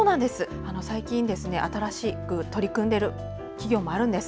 最近、新しく取り組んでいる企業があるんです。